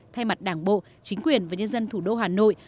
thay mặt đảng bộ chính quyền và nhân dân thủ đô hà nội